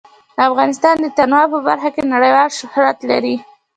افغانستان د تنوع په برخه کې نړیوال شهرت لري.